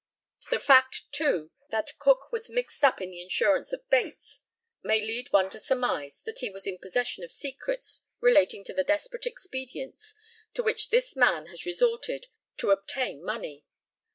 The fact, too, that Cook was mixed up in the insurance of Bates may lead one to surmise that he was in possession of secrets relating to the desperate expedients to which this man has resorted to obtain money.